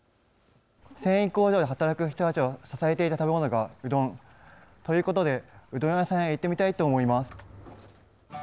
繊維工場で働く人たちを支えていた食べ物が、うどん。ということで、うどん屋さんへ行ってみたいと思います。